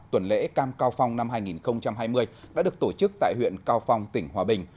tuần lễ cam cao phong năm hai nghìn hai mươi đã được tổ chức tại huyện cao phong tỉnh hòa bình